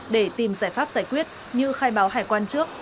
để tìm giải pháp giải quyết như khai báo hải quan trước